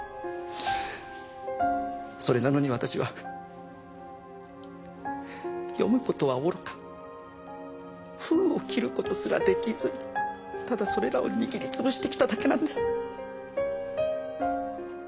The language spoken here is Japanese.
それなのに私は読む事はおろか封を切る事すらできずにただそれらを握り潰してきただけなんです。